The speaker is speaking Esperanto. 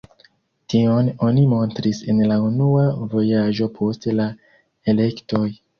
Tion oni montris en la unua vojaĝo post la elektoj.